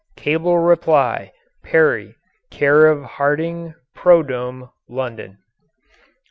Cable reply, Perry, Care of Harding "Prodome," London.